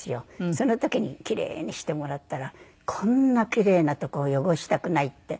その時にキレイにしてもらったらこんなキレイなとこを汚したくないって。